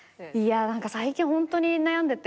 最近ホントに悩んでて。